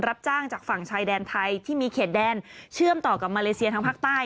รับจ้างจากฝั่งชายแดนไทยที่มีเขตแดนเชื่อมต่อกับมาเลเซียทางภาคใต้